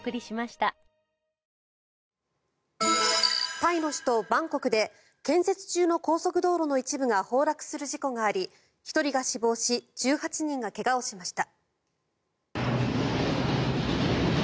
タイの首都バンコクで建設中の高速道路の一部が崩落する事故があり１人が死亡し１８人が怪我をしました。